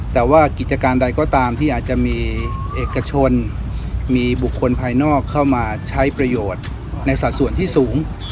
แต่ว่ากิจการใดก็ตามที่อาจจะมีเอกชนมีบุคคลภายนอกเข้ามาใช้ประโยชน์ในสัดส่วนที่สูง